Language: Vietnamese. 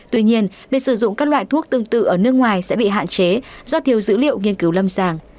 tuy nhiên việc sử dụng các loại thuốc tương tự ở nước ngoài sẽ bị hạn chế do thiếu dữ liệu nghiên cứu lâm sàng